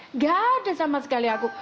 enggak ada sama sekali aku